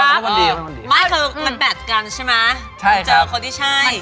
มันแบตกันใช่มั้ย